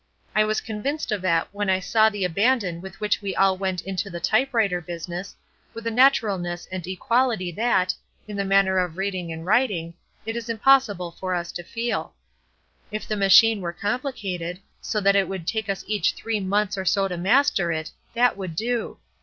I was convinced of that when I saw the abandon with which we all went into the type writer business, with a naturalness and equality that, in the matter of reading and writing, it is impossible for us to feel. If the machine were complicated, so that it would take us each three months or so to master it, that would do.